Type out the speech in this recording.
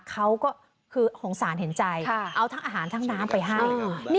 เขาก็คือสงสารเห็นใจเอาทั้งอาหารทั้งน้ำไปให้